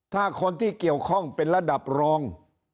ถ้าคนที่เกี่ยวข้องเป็นระดับรอง